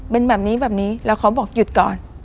เป็นแบบนี้แบบนี้แล้วเขาบอกหยุดก่อน